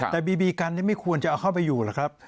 แต่บีบีกันไม่ควรจะเอาเข้าไปอยู่หรอกครับ